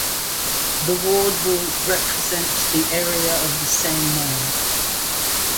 The ward will represent the area of the same name.